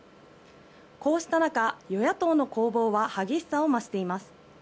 こうした中、与野党の攻防は激しさを増しています。